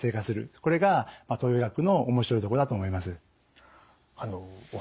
これが東洋医学の面白いところだと思います。